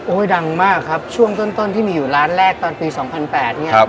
ดังมากครับช่วงต้นที่มีอยู่ร้านแรกตอนปี๒๐๐๘เนี่ย